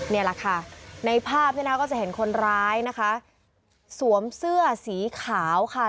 นี่แหละค่ะในภาพเนี่ยนะก็จะเห็นคนร้ายนะคะสวมเสื้อสีขาวค่ะ